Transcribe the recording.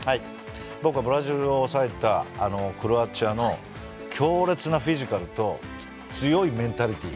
僕はブラジルを抑えたクロアチアの強烈なフィジカルと強いメンタリティー。